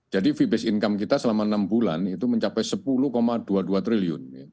fee based income kita selama enam bulan itu mencapai sepuluh dua puluh dua triliun